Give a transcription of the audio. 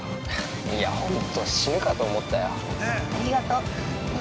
◆いや本当、死ぬかと思ったよ。